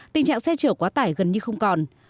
tình trạng xe chở quá tải gần như không còn